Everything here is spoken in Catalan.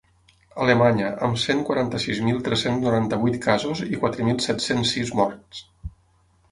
Alemanya, amb cent quaranta-sis mil tres-cents noranta-vuit casos i quatre mil set-cents sis morts.